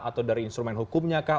atau dari instrumen hukumnya kah